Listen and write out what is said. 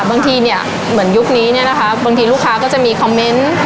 บางทีเนี่ยเหมือนยุคนี้เนี่ยนะคะบางทีลูกค้าก็จะมีคอมเมนต์